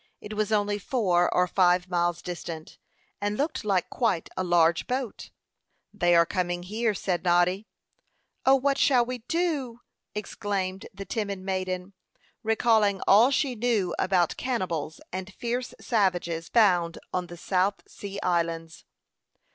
It was only four or five miles distant, and looked like quite a large boat. "They are coming here," said Noddy. "O, what shall we do?" exclaimed the timid maiden, recalling all she knew about cannibals and fierce savages found on the South Sea Islands.